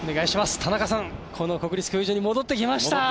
この国立競技場に戻ってきました。